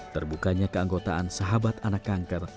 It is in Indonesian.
terbukanya keanggotaan sahabat anak kanker